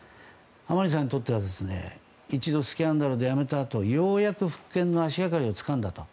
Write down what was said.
甘利さんにとっては一度、スキャンダルで辞めたあとようやく復権の足掛かりをつかんだと。